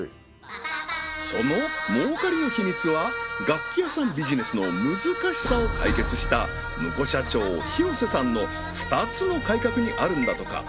その儲かりの秘密は楽器屋さんビジネスの難しさを解決したムコ社長廣瀬さんの２つの改革にあるんだとか